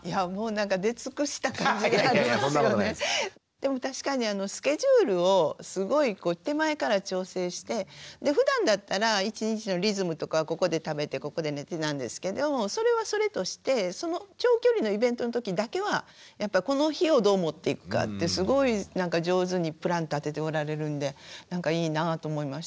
でも確かにスケジュールをすごいこう手前から調整してでふだんだったら一日のリズムとかはここで食べてここで寝てなんですけどそれはそれとしてその長距離のイベントの時だけはやっぱこの日をどうもっていくかってすごい上手にプラン立てておられるんでなんかいいなぁと思いました。